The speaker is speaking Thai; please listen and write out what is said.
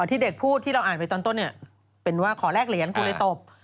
ที่เด็กพูดที่เราอ่านไปตอนต้นเนี่ยเป็นว่าขอแลกเหรียญครูเลยตบ